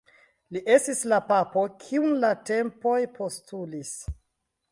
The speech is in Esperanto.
Li estis la papo kiun la tempoj postulis.